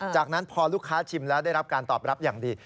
จากนั้นพอลูกค้าชิมแล้วได้รับการตอบรับอย่างดี